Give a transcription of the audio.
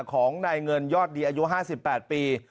ของนายเงินยอดดีอายุ๕๘ปี